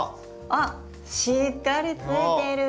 あっしっかりついてる！